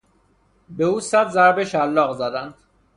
به او صد ضربه شلاق زدند.